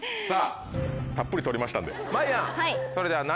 さぁたっぷり撮りましたんで。